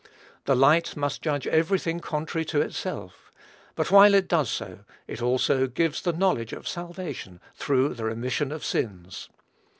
The light must judge every thing contrary to itself; but, while it does so, it also "gives the knowledge of salvation through the remission of sins."